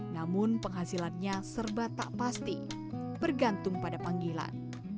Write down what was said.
namun penghasilannya serba tak pasti bergantung pada panggilan